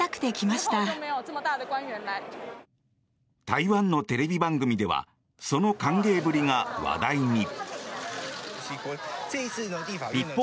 台湾のテレビ番組ではその歓迎ぶりが話題に。